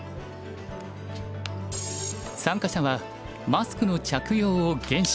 参加者はマスクの着用を厳守。